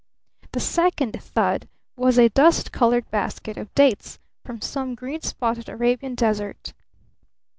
The second thud was a dust colored basket of dates from some green spotted Arabian desert.